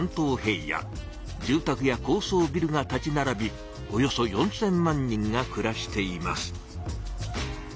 住たくや高そうビルが立ちならびおよそ４，０００万人がくらしています。